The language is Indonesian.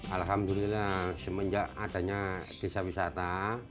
alhamdulillah semenjak adanya desa wisata